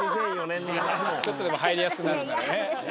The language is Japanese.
ちょっとでも入りやすくなるなら。